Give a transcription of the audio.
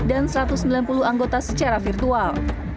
dan satu ratus sembilan puluh anggota secara virtual